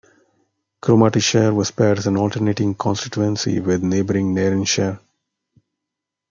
Cromartyshire was paired as an alternating constituency with neighbouring Nairnshire.